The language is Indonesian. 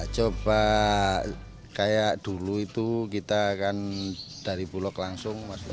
coba kayak dulu itu kita kan dari bulog langsung masuk